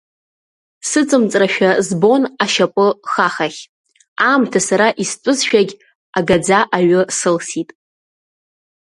Сыҵымҵрашәа збон ашьапы хахагь, аамҭа сара истәызшәагь агаӡа аҩы сылсит…